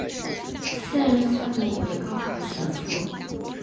现任院牧为高豪神父。